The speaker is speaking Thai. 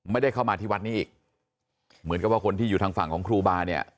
ไม่ได้เข้ามาที่วัดนี้อีกเหมือนกับว่าคนที่อยู่ทางฝั่งของครูบาเนี่ย